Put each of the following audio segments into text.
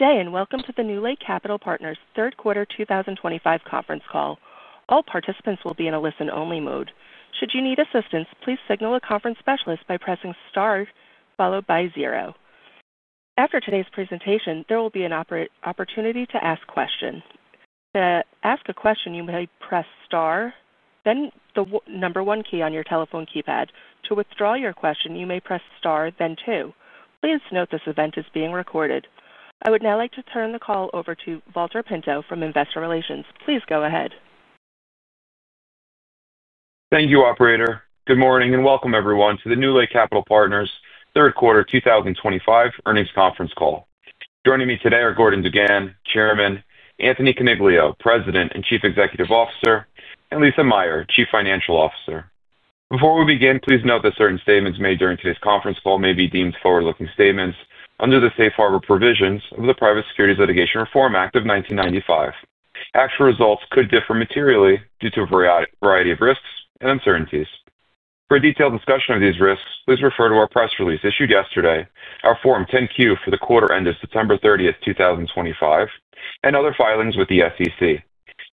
Good day and welcome to the NewLake Capital Partners third quarter 2025 conference call. All participants will be in a listen-only mode. Should you need assistance, please signal a conference specialist by pressing star followed by zero. After today's presentation, there will be an opportunity to ask questions. To ask a question, you may press star, then the number one key on your telephone keypad. To withdraw your question, you may press star, then two. Please note this event is being recorded. I would now like to turn the call over to Valter Pinto from Investor Relations. Please go ahead. Thank you, Operator. Good morning and welcome, everyone, to the NewLake Capital Partners third quarter 2025 earnings conference call. Joining me today are Gordon DuGan, Chairman; Anthony Coniglio, President and Chief Executive Officer; and Lisa Meyer, Chief Financial Officer. Before we begin, please note that certain statements made during today's conference call may be deemed forward-looking statements under the Safe Harbor Provisions of the Private Securities Litigation Reform Act of 1995. Actual results could differ materially due to a variety of risks and uncertainties. For a detailed discussion of these risks, please refer to our press release issued yesterday, our Form 10-Q for the quarter end of September 30th, 2025, and other filings with the SEC.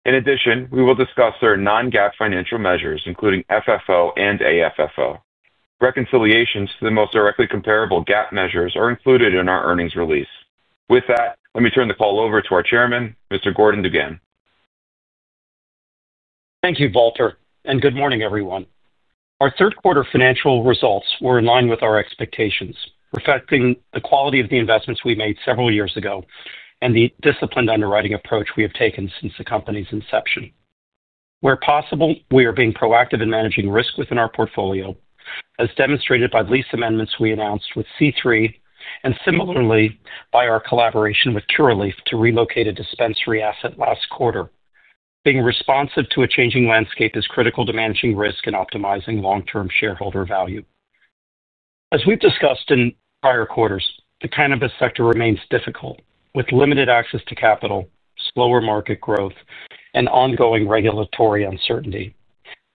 In addition, we will discuss certain non-GAAP financial measures, including FFO and AFFO. Reconciliations to the most directly comparable GAAP measures are included in our earnings release. With that, let me turn the call over to our Chairman, Mr. Gordon DuGan. Thank you, Valter, and good morning, everyone. Our third-quarter financial results were in line with our expectations, reflecting the quality of the investments we made several years ago and the disciplined underwriting approach we have taken since the company's inception. Where possible, we are being proactive in managing risk within our portfolio, as demonstrated by lease amendments we announced with C3 and similarly by our collaboration with Curaleaf to relocate a dispensary asset last quarter. Being responsive to a changing landscape is critical to managing risk and optimizing long-term shareholder value. As we've discussed in prior quarters, the cannabis sector remains difficult, with limited access to capital, slower market growth, and ongoing regulatory uncertainty.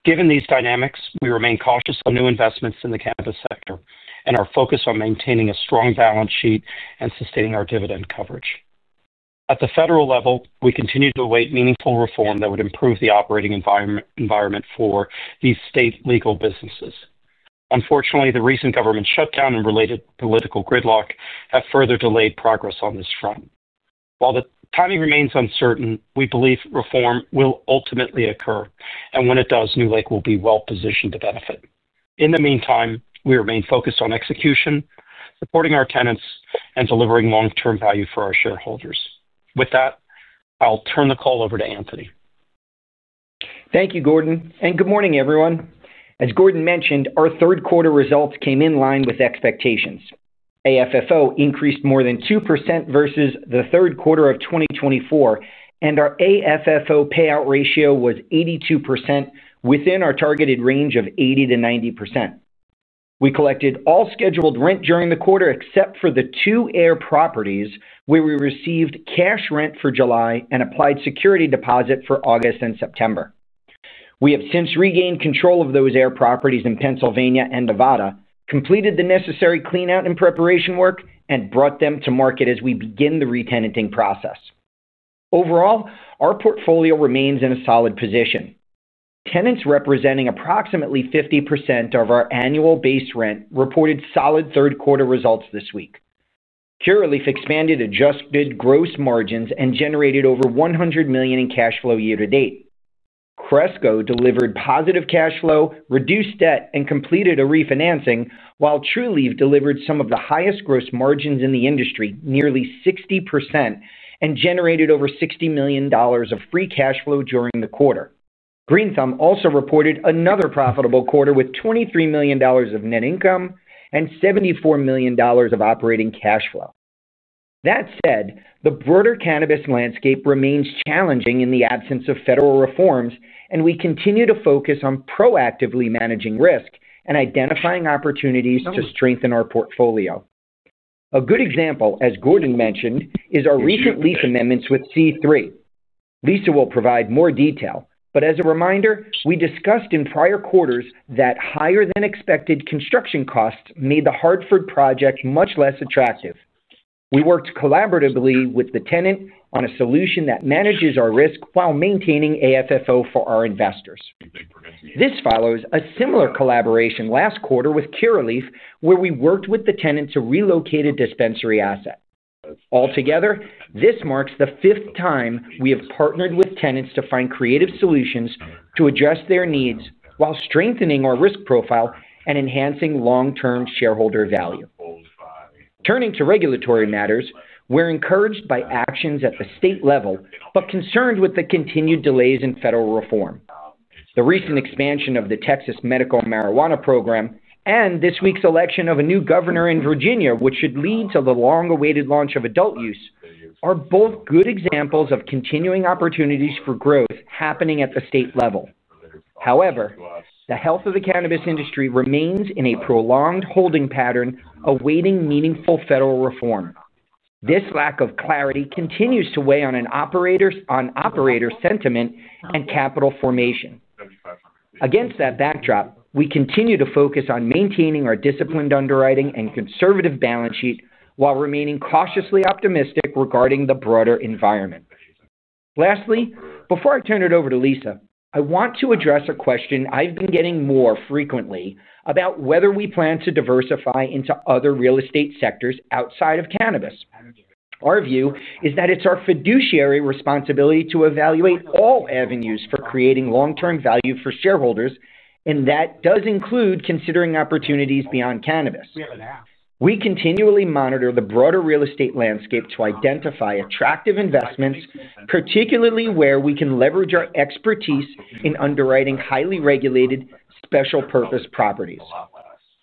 Given these dynamics, we remain cautious on new investments in the cannabis sector and are focused on maintaining a strong balance sheet and sustaining our dividend coverage. At the federal level, we continue to await meaningful reform that would improve the operating environment for these state legal businesses. Unfortunately, the recent government shutdown and related political gridlock have further delayed progress on this front. While the timing remains uncertain, we believe reform will ultimately occur, and when it does, NewLake will be well-positioned to benefit. In the meantime, we remain focused on execution, supporting our tenants, and delivering long-term value for our shareholders. With that, I'll turn the call over to Anthony. Thank you, Gordon. Good morning, everyone. As Gordon mentioned, our third-quarter results came in line with expectations. AFFO increased more than 2% versus the third quarter of 2024, and our AFFO payout ratio was 82%, within our targeted range of 80%-90%. We collected all scheduled rent during the quarter except for the two AYR properties where we received cash rent for July and applied security deposit for August and September. We have since regained control of those AYR properties in Pennsylvania and Nevada, completed the necessary clean-out and preparation work, and brought them to market as we begin the re-tenanting process. Overall, our portfolio remains in a solid position. Tenants representing approximately 50% of our annual base rent reported solid third-quarter results this week. Curaleaf expanded adjusted gross margins and generated over $100 million in cash flow year to date. Cresco delivered positive cash flow, reduced debt, and completed a refinancing, while Trulieve delivered some of the highest gross margins in the industry, nearly 60%, and generated over $60 million of free cash flow during the quarter. Green Thumb also reported another profitable quarter with $23 million of net income and $74 million of operating cash flow. That said, the broader cannabis landscape remains challenging in the absence of federal reforms, and we continue to focus on proactively managing risk and identifying opportunities to strengthen our portfolio. A good example, as Gordon mentioned, is our recent lease amendments with C3. Lisa will provide more detail, but as a reminder, we discussed in prior quarters that higher-than-expected construction costs made the Hartford project much less attractive. We worked collaboratively with the tenant on a solution that manages our risk while maintaining AFFO for our investors. This follows a similar collaboration last quarter with Curaleaf, where we worked with the tenant to relocate a dispensary asset. Altogether, this marks the fifth time we have partnered with tenants to find creative solutions to address their needs while strengthening our risk profile and enhancing long-term shareholder value. Turning to regulatory matters, we're encouraged by actions at the state level but concerned with the continued delays in federal reform. The recent expansion of the Texas medical marijuana program and this week's election of a new governor in Virginia, which should lead to the long-awaited launch of adult use, are both good examples of continuing opportunities for growth happening at the state level. However, the health of the cannabis industry remains in a prolonged holding pattern, awaiting meaningful federal reform. This lack of clarity continues to weigh on operator sentiment and capital formation. Against that backdrop, we continue to focus on maintaining our disciplined underwriting and conservative balance sheet while remaining cautiously optimistic regarding the broader environment. Lastly, before I turn it over to Lisa, I want to address a question I've been getting more frequently about whether we plan to diversify into other real estate sectors outside of cannabis. Our view is that it's our fiduciary responsibility to evaluate all avenues for creating long-term value for shareholders, and that does include considering opportunities beyond cannabis. We continually monitor the broader real estate landscape to identify attractive investments, particularly where we can leverage our expertise in underwriting highly regulated special-purpose properties.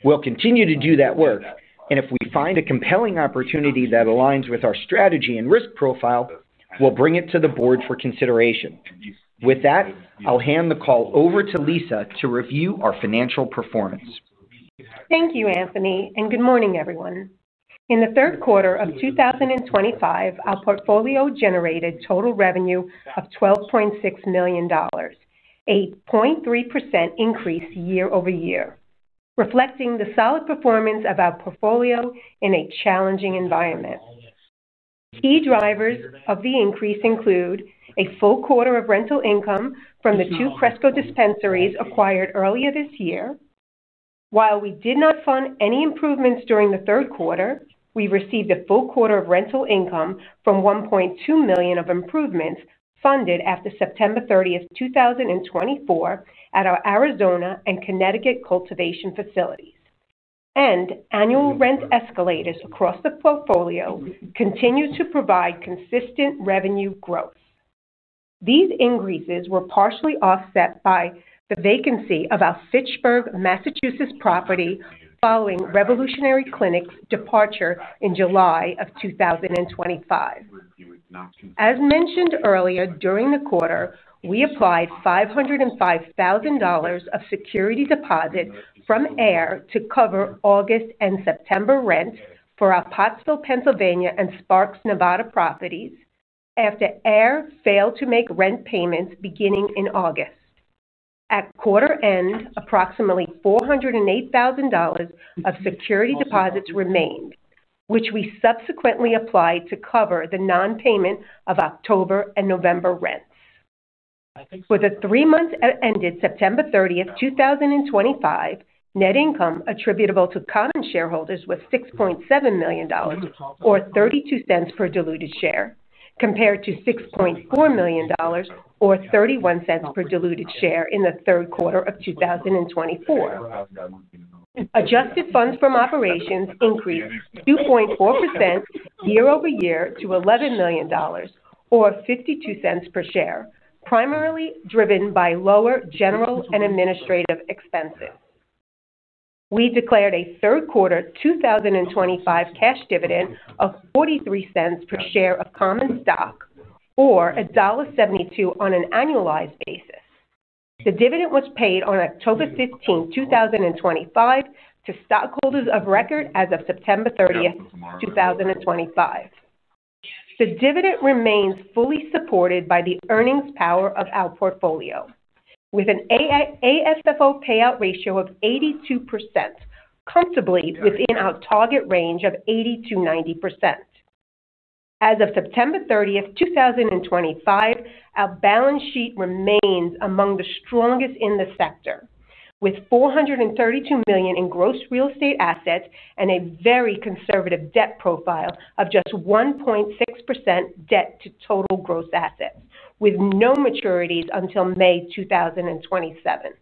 We'll continue to do that work, and if we find a compelling opportunity that aligns with our strategy and risk profile, we'll bring it to the board for consideration. With that, I'll hand the call over to Lisa to review our financial performance. Thank you, Anthony, and good morning, everyone. In the third quarter of 2025, our portfolio generated total revenue of $12.6 million, a 0.3% increase year over year, reflecting the solid performance of our portfolio in a challenging environment. Key drivers of the increase include a full quarter of rental income from the two Cresco dispensaries acquired earlier this year. While we did not fund any improvements during the third quarter, we received a full quarter of rental income from $1.2 million of improvements funded after September 30th, 2024, at our Arizona and Connecticut cultivation facilities. Annual rent escalators across the portfolio continue to provide consistent revenue growth. These increases were partially offset by the vacancy of our Fitchburg, Massachusetts, property following Revolutionary Clinics' departure in July of 2025. As mentioned earlier during the quarter, we applied $505,000 of security deposit from AYR to cover August and September rent for our Pottsville, Pennsylvania, and Sparks, Nevada properties after AYR failed to make rent payments beginning in August. At quarter-end, approximately $408,000 of security deposits remained, which we subsequently applied to cover the non-payment of October and November rents. For the three months ended September 30th, 2025, net income attributable to common shareholders was $6.7 million, or $0.32 per diluted share, compared to $6.4 million, or $0.31 per diluted share in the third quarter of 2024. Adjusted funds from operations increased 2.4% year over year to $11 million, or $0.52 per share, primarily driven by lower general and administrative expenses. We declared a third-quarter 2025 cash dividend of $0.43 per share of common stock, or $1.72 on an annualized basis. The dividend was paid on October 15, 2025, to stockholders of record as of September 30th, 2025. The dividend remains fully supported by the earnings power of our portfolio, with an AFFO payout ratio of 82%. Comfortably within our target range of 80%-90%. As of September 30, 2025, our balance sheet remains among the strongest in the sector, with $432 million in gross real estate assets and a very conservative debt profile of just 1.6% debt to total gross assets, with no maturities until May 2027.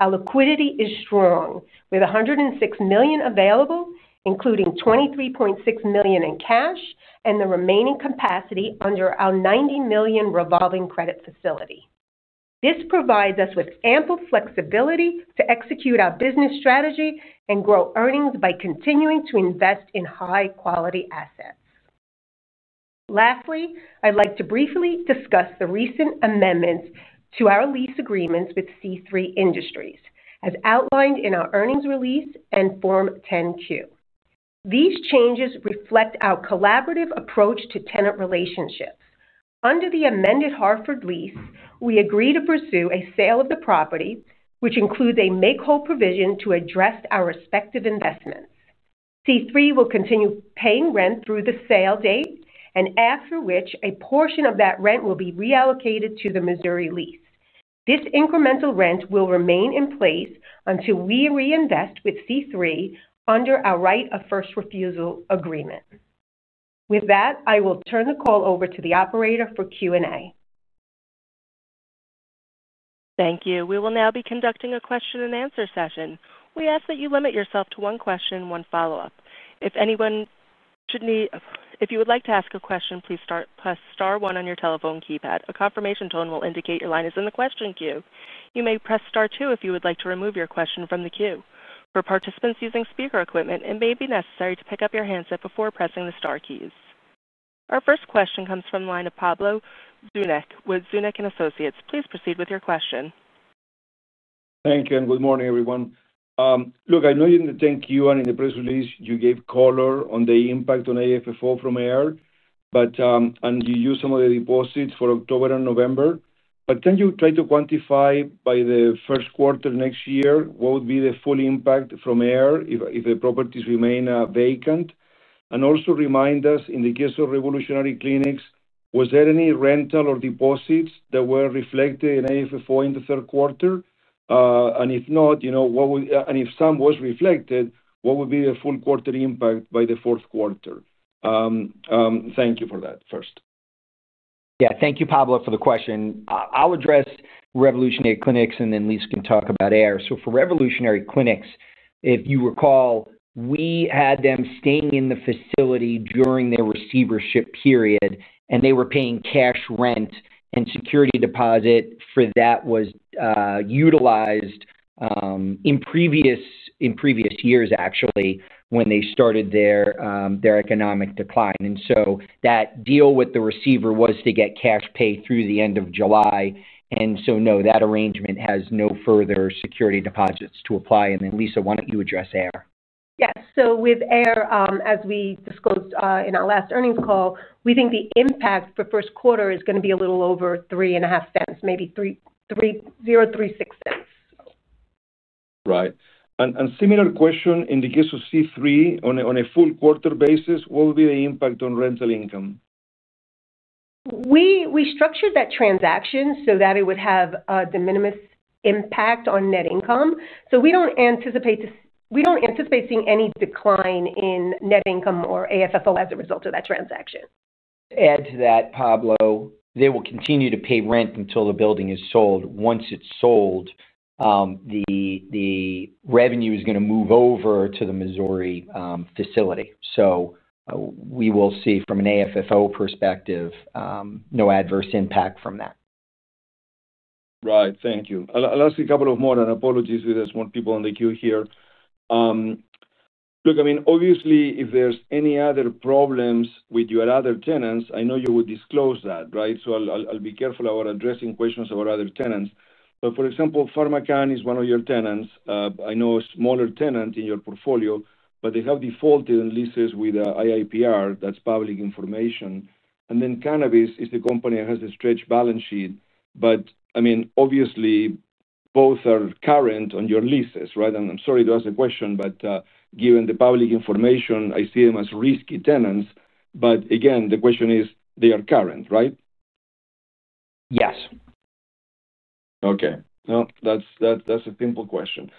Our liquidity is strong, with $106 million available, including $23.6 million in cash and the remaining capacity under our $90 million revolving credit facility. This provides us with ample flexibility to execute our business strategy and grow earnings by continuing to invest in high-quality assets. Lastly, I'd like to briefly discuss the recent amendments to our lease agreements with C3 Industries, as outlined in our earnings release and Form 10-Q. These changes reflect our collaborative approach to tenant relationships. Under the amended Hartford lease, we agree to pursue a sale of the property, which includes a make-hole provision to address our respective investments. C3 will continue paying rent through the sale date, and after which, a portion of that rent will be reallocated to the Missouri lease. This incremental rent will remain in place until we reinvest with C3 under our right of first refusal agreement. With that, I will turn the call over to the operator for Q&A. Thank you. We will now be conducting a question-and-answer session. We ask that you limit yourself to one question, one follow-up. If anyone should need—if you would like to ask a question, please press star one on your telephone keypad. A confirmation tone will indicate your line is in the question queue. You may press star two if you would like to remove your question from the queue. For participants using speaker equipment, it may be necessary to pick up your handset before pressing the star keys. Our first question comes from the line of Pablo Zuanic with Zuanic & Associates. Please proceed with your question. Thank you, and good morning, everyone. Look, I know you in the 10-Q and in the press release, you gave color on the impact on AFFO from AYR, and you used some of the deposits for October and November. Can you try to quantify by the first quarter next year what would be the full impact from AYR if the properties remain vacant? Also remind us, in the case of Revolutionary Clinics, was there any rental or deposits that were reflected in AFFO in the third quarter? If not, you know, what would—and if some was reflected, what would be the full quarter impact by the fourth quarter? Thank you for that first. Yeah, thank you, Pablo, for the question. I'll address Revolutionary Clinics, and then Lisa can talk about AYR. For Revolutionary Clinics, if you recall, we had them staying in the facility during their receivership period, and they were paying cash rent, and the security deposit for that was utilized in previous years, actually, when they started their economic decline. That deal with the receiver was to get cash paid through the end of July. No, that arrangement has no further security deposits to apply. Lisa, why don't you address AYR? Yes. With AYR, as we disclosed in our last earnings call, we think the impact for first quarter is going to be a little over $0.035, maybe $0.036. Right. Similar question, in the case of C3, on a full quarter basis, what would be the impact on rental income? We structured that transaction so that it would have the minimus impact on net income. We do not anticipate seeing any decline in net income or AFFO as a result of that transaction. Add to that, Pablo, they will continue to pay rent until the building is sold. Once it's sold, the revenue is going to move over to the Missouri facility. We will see, from an AFFO perspective, no adverse impact from that. Right. Thank you. I'll ask a couple more—and apologies to the smart people on the queue here. Look, I mean, obviously, if there's any other problems with your other tenants, I know you would disclose that, right? I'll be careful about addressing questions about other tenants. For example, PharmaCann is one of your tenants. I know a smaller tenant in your portfolio, but they have defaulted on leases with IIPR—that's public information. And then Cannabis is the company that has the stretched balance sheet. I mean, obviously. Both are current on your leases, right? I'm sorry to ask the question, but given the public information, I see them as risky tenants. Again, the question is, they are current, right? Yes. Okay. No, that's a simple question.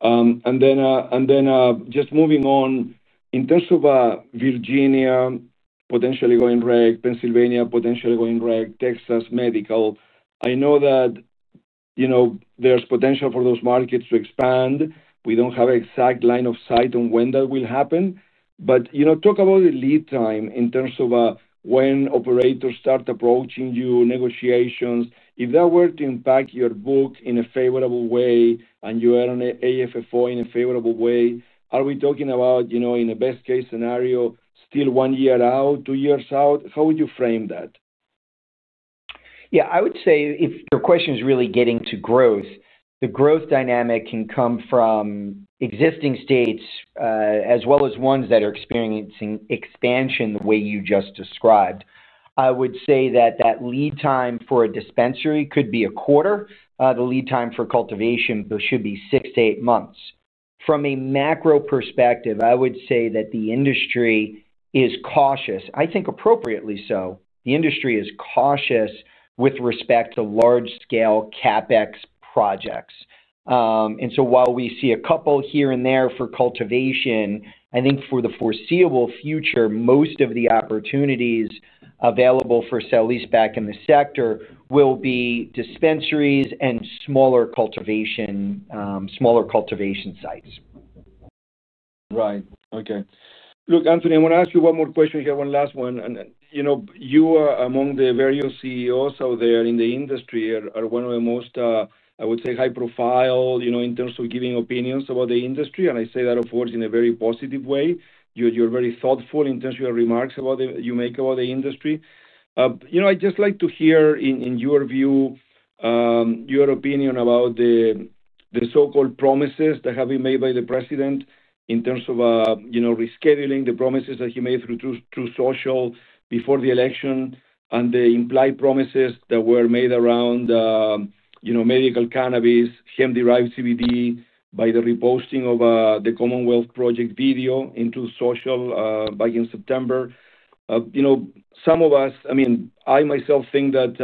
Then just moving on, in terms of Virginia potentially going red, Pennsylvania potentially going red, Texas Medical, I know that. There's potential for those markets to expand. We don't have an exact line of sight on when that will happen. Talk about the lead time in terms of when operators start approaching you, negotiations. If that were to impact your book in a favorable way and you were on AFFO in a favorable way, are we talking about, in the best-case scenario, still one year out, two years out? How would you frame that? Yeah, I would say if your question is really getting to growth, the growth dynamic can come from existing states as well as ones that are experiencing expansion the way you just described. I would say that that lead time for a dispensary could be a quarter. The lead time for cultivation should be six to eight months. From a macro perspective, I would say that the industry is cautious—I think appropriately so—the industry is cautious with respect to large-scale CapEx projects. While we see a couple here and there for cultivation, I think for the foreseeable future, most of the opportunities available for at least back in the sector will be dispensaries and smaller cultivation sites. Right. Okay. Look, Anthony, I want to ask you one more question here, one last one. You are among the various CEOs out there in the industry, are one of the most, I would say, high-profile in terms of giving opinions about the industry. I say that, of course, in a very positive way. You're very thoughtful in terms of your remarks you make about the industry. I'd just like to hear, in your view, your opinion about the so-called promises that have been made by the president in terms of rescheduling, the promises that he made through social before the election, and the implied promises that were made around medical cannabis, hemp-derived CBD by the reposting of the Commonwealth Project video into social back in September. Some of us, I mean, I myself think that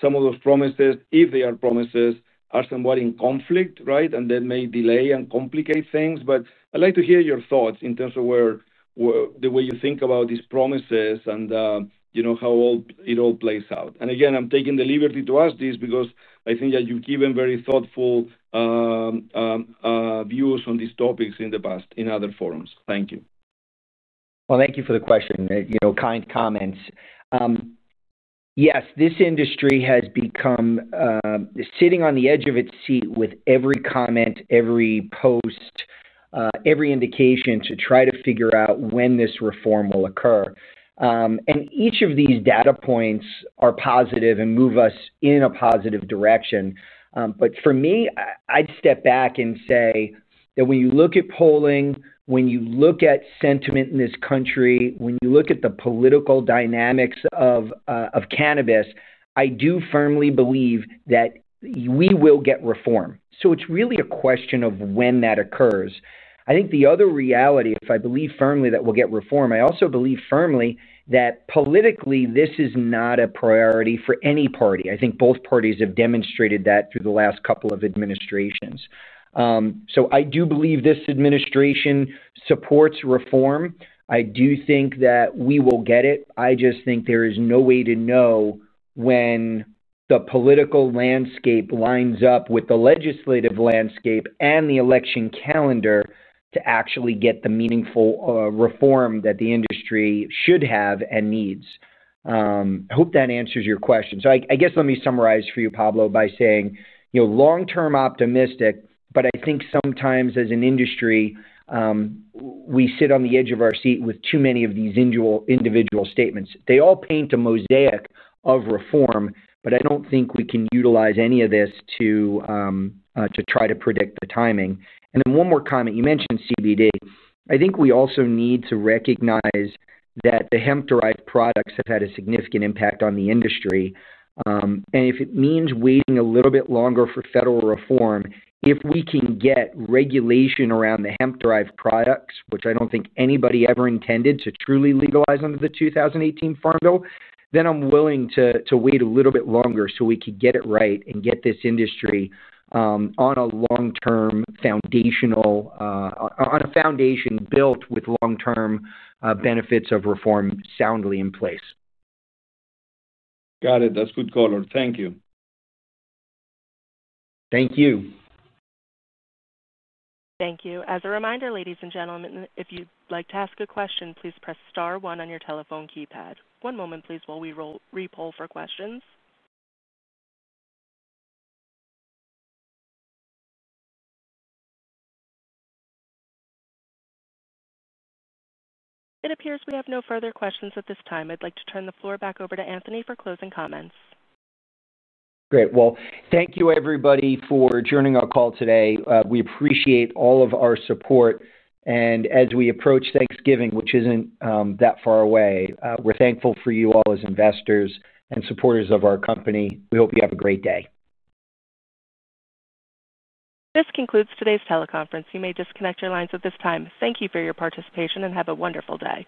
some of those promises, if they are promises, are somewhat in conflict, right? That may delay and complicate things. I would like to hear your thoughts in terms of the way you think about these promises and how it all plays out. Again, I am taking the liberty to ask this because I think that you have given very thoughtful views on these topics in the past in other forums. Thank you. Thank you for the question. Kind comments. Yes, this industry has become, sitting on the edge of its seat with every comment, every post, every indication to try to figure out when this reform will occur. Each of these data points are positive and move us in a positive direction. For me, I'd step back and say that when you look at polling, when you look at sentiment in this country, when you look at the political dynamics of cannabis, I do firmly believe that we will get reform. It's really a question of when that occurs. I think the other reality, if I believe firmly that we'll get reform, I also believe firmly that politically, this is not a priority for any party. I think both parties have demonstrated that through the last couple of administrations. I do believe this administration supports reform. I do think that we will get it. I just think there is no way to know when the political landscape lines up with the legislative landscape and the election calendar to actually get the meaningful reform that the industry should have and needs. I hope that answers your question. I guess let me summarize for you, Pablo, by saying. Long-term optimistic, but I think sometimes as an industry. We sit on the edge of our seat with too many of these individual statements. They all paint a mosaic of reform, but I do not think we can utilize any of this to try to predict the timing. One more comment. You mentioned CBD. I think we also need to recognize that the hemp-derived products have had a significant impact on the industry. If it means waiting a little bit longer for federal reform, if we can get regulation around the hemp-derived products, which I do not think anybody ever intended to truly legalize under the 2018 Farm Bill, then I am willing to wait a little bit longer so we could get it right and get this industry on a long-term foundation. On a foundation built with long-term benefits of reform soundly in place. Got it. That's good color. Thank you. Thank you. Thank you. As a reminder, ladies and gentlemen, if you'd like to ask a question, please press star one on your telephone keypad. One moment, please, while we re-poll for questions. It appears we have no further questions at this time. I'd like to turn the floor back over to Anthony for closing comments. Great. Thank you, everybody, for joining our call today. We appreciate all of our support. As we approach Thanksgiving, which is not that far away, we are thankful for you all as investors and supporters of our company. We hope you have a great day. This concludes today's teleconference. You may disconnect your lines at this time. Thank you for your participation and have a wonderful day.